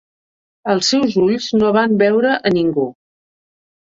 Els seus ulls no van veure ningú.